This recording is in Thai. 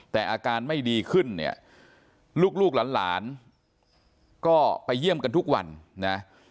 แต่อาการไม่ดีขึ้นเนี่ยลูกหลานก็ไปเยี่ยมกันทุกวันนะ